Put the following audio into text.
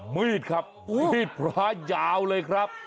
มีดครับมีดพระยาวเลยครับ